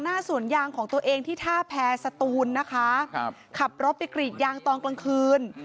สวนยางของตัวเองที่ท่าแพรสตูนนะคะครับขับรถไปกรีดยางตอนกลางคืน